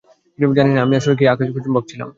জানি না, আমি আসলে কী আকাশ কুসুম ভাবছিলাম।